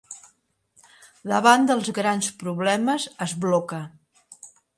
Davant dels grans problemes es bloca.